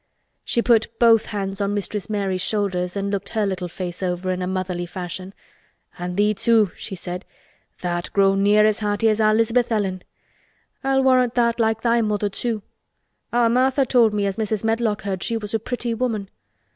She put both hands on Mistress Mary's shoulders and looked her little face over in a motherly fashion. "An' thee, too!" she said. "Tha'rt grown near as hearty as our 'Lisabeth Ellen. I'll warrant tha'rt like thy mother too. Our Martha told me as Mrs. Medlock heard she was a pretty woman.